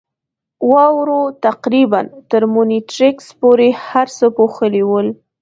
واورو تقریباً تر مونیټریکس پورې هر څه پوښلي ول.